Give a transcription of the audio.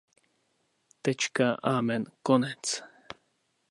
Tečka, amen, konec.